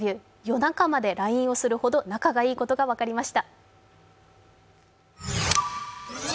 夜中までＬＩＮＥをするほど仲がいいことが分かりました。